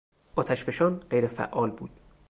آتشفشان غیرفعال بود.